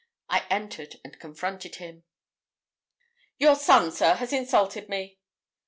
I entered and confronted him. 'Your son, sir, has insulted me.'